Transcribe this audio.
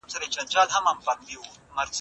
خلګ وايي چي د مطالعې نسل به ټولنه شعور ته يوسي.